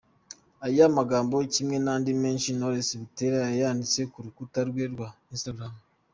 Aya magambo kimwe n'andi menshi Knowless Butera yayanditse ku rukuta rwe rwa Instagram.